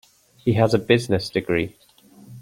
He has a business degree.